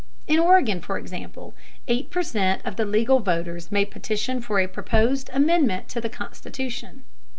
] In Oregon, for example, 8 per cent of the legal voters may petition for a proposed amendment to the constitution.